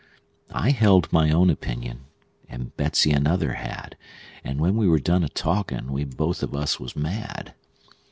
I held my own opinion, and Betsey another had; And when we were done a talkin', we both of us was mad.